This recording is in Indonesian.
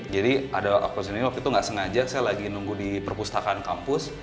jadi ada oxford dictionary waktu itu nggak sengaja saya lagi nunggu di perpustakaan kampus